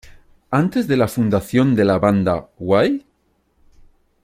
Antes de la fundación de la banda Why?